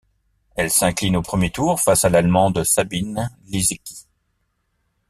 Elle s'incline au premier tour face à l'Allemande Sabine Lisicki.